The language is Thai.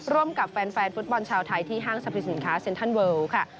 ร่วมกับแฟนฟุตบอลชาวไทยที่ห้างสรรพสินค้าเซ็นทรัลเวิลค่ะ